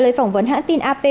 trả lời phỏng vấn hãng tin ap